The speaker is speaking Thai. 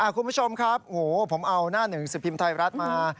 คุณผู้ชมครับโหผมเอาหน้าหนึ่งสิบพิมพ์ไทยรัฐมา